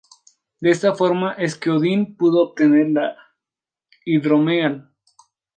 De esta forma es que Odín pudo obtener la hidromiel.